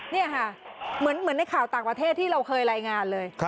นี่ค่ะเหมือนในข่าวต่างประเทศที่เราเคยรายงานเลย